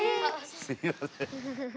すみません。